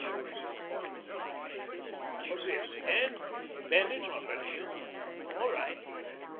... Where's that bottle of mine? What's this? Hand? Bandage not hurting you? All right.